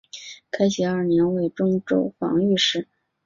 开禧二年为忠州防御使。